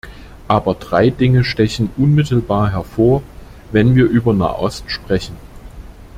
Aber drei Dinge stechen unmittelbar hervor, wenn wir über Nahost sprechen.